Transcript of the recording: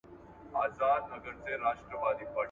د نکاح وروسته ناوړه عرفونه په نښه کول او له منځه وړل پکار دي